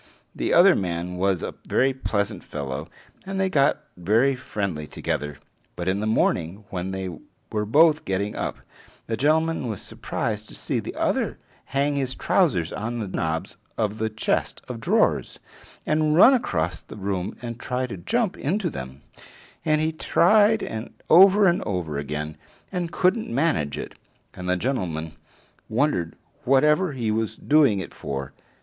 The other man was a very pleasant fellow, and they got very friendly together; but in the morning, when they were both getting up, the gentleman was surprised to see the other hang his trousers on the knobs of the chest of drawers and run across the room and try to jump into them, and he tried over and over again, and couldn't manage it; and the gentleman wondered whatever he was doing it for.